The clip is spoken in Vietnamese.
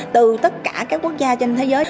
từ tất cả các quốc gia trên thế giới